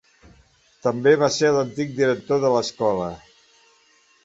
També va ser l'antic director de l'escola.